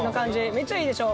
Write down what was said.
めっちゃいいでしょ？